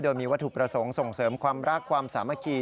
โดยมีวัตถุประสงค์ส่งเสริมความรักความสามัคคี